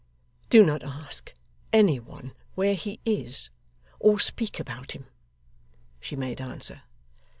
'Do not ask any one where he is, or speak about him,' she made answer.